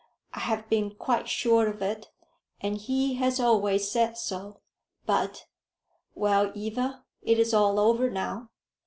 I have been quite sure of it. And he has always said so. But " "Well, Eva, it is all over now."